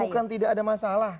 bukan tidak ada masalah